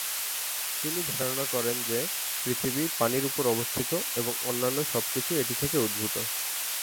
তিনি ধারণা করেন যে, পৃথিবী পানির উপর অবস্থিত এবং অন্যান্য সব কিছুই এটি থেকে উদ্ভূত।